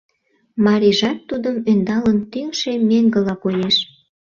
Марийжат тудым ӧндалын тӱҥшӧ меҥгыла коеш.